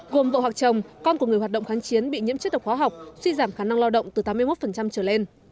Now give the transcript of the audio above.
gồm vợ hoặc chồng con của người hoạt động kháng chiến bị nhiễm chất độc hóa học suy giảm khả năng lao động từ tám mươi một trở lên